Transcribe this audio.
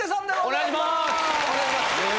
お願いします。